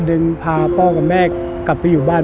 ดึงพาพ่อกับแม่กลับไปอยู่บ้าน